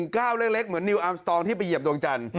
ก้าวเล็กเหมือนนิวอาร์มสตองที่ไปเหยียบดวงจันทร์